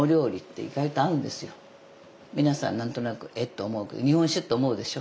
皆さん何となくえっと思うけど日本酒って思うでしょ？